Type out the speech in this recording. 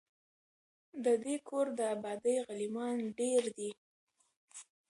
د دې کور د آبادۍ غلیمان ډیر دي